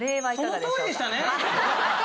そのとおりでしたね！